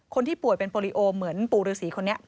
คนที่ป่วยเป็นโปรลิโอเหมือนปู่ฤษีคนนี้